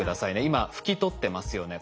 今拭き取ってますよね。